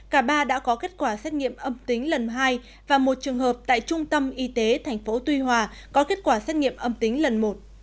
cả ba đã có kết quả xét nghiệm âm tính lần hai và một trường hợp tại trung tâm y tế tp tuy hòa có kết quả xét nghiệm âm tính lần một